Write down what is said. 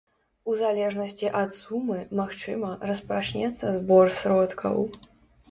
У залежнасці ад сумы, магчыма, распачнецца збор сродкаў.